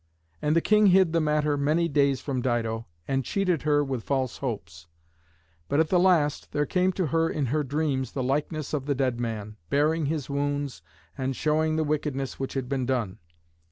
And the king hid the matter many days from Dido, and cheated her with false hopes. But at the last there came to her in her dreams the likeness of the dead man, baring his wounds and showing the wickedness which had been done.